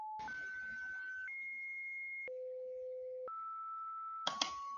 La cola y la rabadilla son de color gris oscuro con bordes blancos.